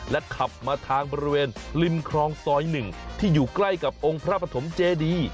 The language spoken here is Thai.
ขับมาทางบริเวณริมคลองซอย๑ที่อยู่ใกล้กับองค์พระปฐมเจดี